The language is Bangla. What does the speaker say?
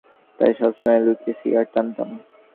তাই, সবসময় লুকিয়ে সিগারেট টানতাম!